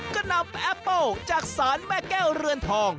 ก็นำแอปเปิ้ลจากศาลแม่แก้วเรือนทอง